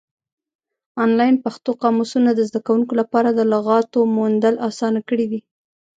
آنلاین پښتو قاموسونه د زده کوونکو لپاره د لغاتو موندل اسانه کړي دي.